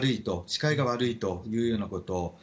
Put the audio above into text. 視界が悪いということ。